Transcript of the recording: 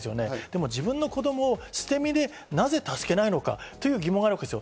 でも自分の子供を捨て身でなぜ助けないのかという疑問が残るわけです。